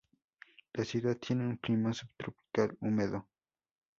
La ciudad tiene un clima subtropical húmedo.